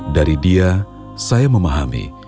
dari dia saya memahami